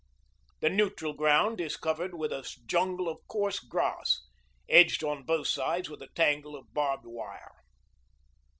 The neutral ground is covered with a jungle of coarse grass, edged on both sides with a tangle of barbed wire.